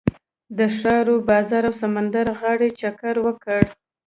د ښار و بازار او سمندر غاړې چکر وکړ.